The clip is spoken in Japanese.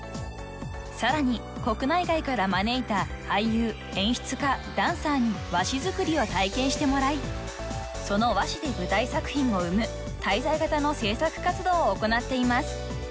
［さらに国内外から招いた俳優演出家ダンサーに和紙作りを体験してもらいその和紙で舞台作品を生む滞在型の制作活動を行っています］